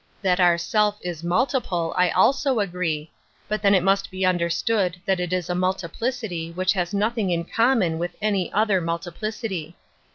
That our self is multiple I i agree, but then it must be understood 1 it is a multiplicity which has nothing ' common with any other multiplicity.